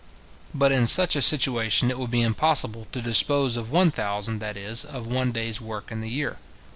But in such a situation it would be impossible to dispose of one thousand, that is, of one day's work in the year.